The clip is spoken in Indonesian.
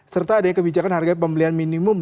serta adanya kebijakan harga pembelian minimum